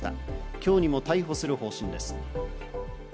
今日にも逮捕する方針です。